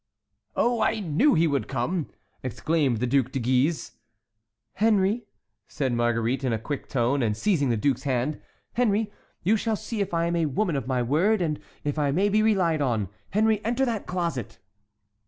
"Oh, I knew he would come!" exclaimed the Duc de Guise. "Henri," said Marguerite, in a quick tone, and seizing the duke's hand,—"Henri, you shall see if I am a woman of my word, and if I may be relied on. Henri, enter that closet."